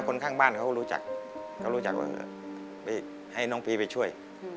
คนข้างบ้านเขารู้จักให้น้องพีไปช่วย